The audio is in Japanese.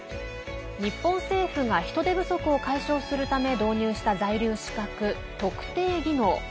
日本政府が人手不足を解消するため導入した在留資格特定技能。